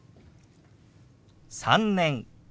「３年」。